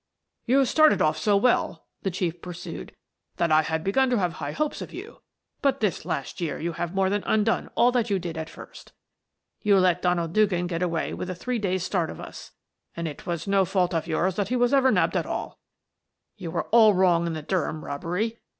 "You started off so well," the Chief pursued, " that I had begun to have high hopes of you, but this last year you have more than undone all that you did at first. You let Donald Dugan get away with a three days' start of us, and it was no fault of yours that he was ever nabbed at all. You were all wrong in the Durham robbery.